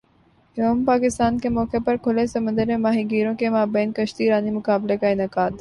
یوم پاکستان کے موقع پر کھلے سمندر میں ماہی گیروں کے مابین کشتی رانی مقابلے کا انعقاد